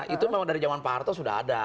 itu memang dari zaman pak harto sudah ada